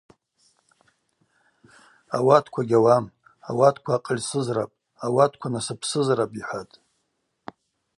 Ауатква гьауам, ауатква акъыльсызрапӏ, ауатква насыпсызрапӏ, – йхӏватӏ.